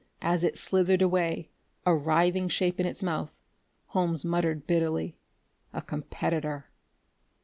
As it slithered away, a writhing shape in its mouth, Holmes muttered bitterly: "A competitor!"